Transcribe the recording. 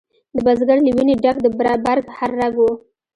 د بزګر له ویني ډک د برګ هر رګ و